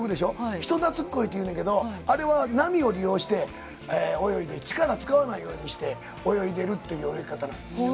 人なつっこいっていうんやけど、あれは波を利用して泳いで、力使わないようにして泳いでるっていう泳ぎ方なんですよ。